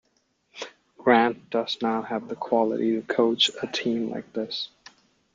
Grant does not have the quality to coach a team like this.